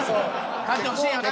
勝ってほしいんよな。